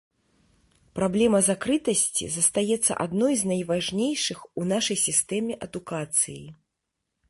Праблема закрытасці застаецца адной з найважнейшых у нашай сістэме адукацыі.